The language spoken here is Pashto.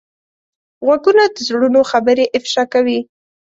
غوږونه د زړونو خبرې افشا کوي